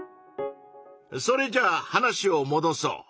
それじゃあ話をもどそう。